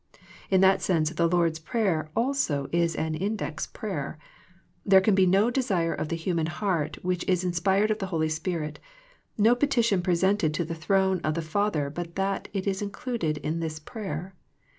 In that sense the Lord's prayer also is an " index prayer." There can be no desire of the human heart which is inspired of the Holy Spirit, no petition presented to the throne of the Father but that it is included in this prayer.